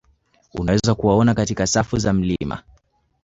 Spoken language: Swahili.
Unaweza kuwaona katika safu za milima